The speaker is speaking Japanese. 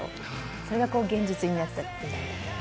それが現実になってという。